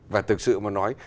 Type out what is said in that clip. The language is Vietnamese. và thực sự mà nói